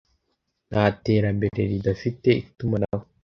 Nta terambere ridafite itumanaho